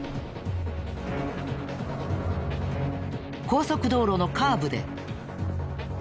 高速道路のカーブで。